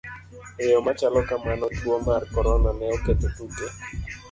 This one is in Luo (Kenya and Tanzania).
E yo ma chalo kamano, tuo mar corona ne oketho tuke.